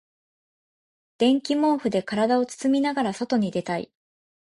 電気毛布で体を包みながら外に出たい。